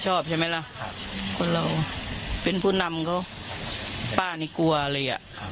ชอบใช่ไหมล่ะคนเราเป็นผู้นำเขาป้านี่กลัวเลยอ่ะ